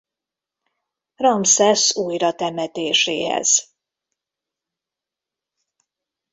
Ramszesz újratemetéséhez.